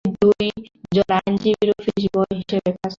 তিনি দুইজন আইনজীবীর অফিস বয় হিসেবে কাজ করেন।